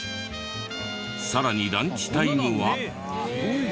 さらにランチタイムは。